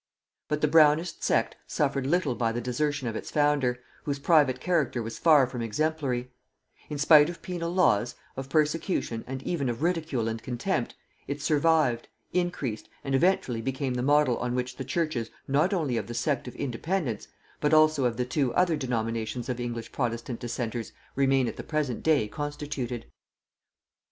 But the Brownist sect suffered little by the desertion of its founder, whose private character was far from exemplary: in spite of penal laws, of persecution, and even of ridicule and contempt, it survived, increased, and eventually became the model on which the churches not only of the sect of Independents but also of the two other denominations of English protestant dissenters remain at the present day constituted.